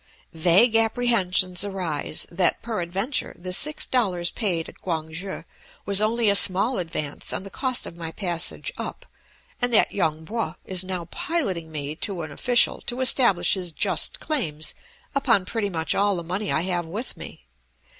Vague apprehensions arise that, peradventure, the six dollars paid at Quang shi was only a small advance on the cost of my passage up, and that Yung Po is now piloting me to an official to establish his just claims upon pretty much all the money I have with me.